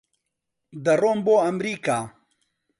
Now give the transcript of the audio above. دەڕۆم بۆ ئەمریکا.